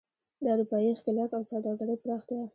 د اروپايي ښکېلاک او سوداګرۍ پراختیا.